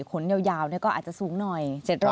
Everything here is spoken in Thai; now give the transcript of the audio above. ขนยาวก็อาจจะสูงหน่อย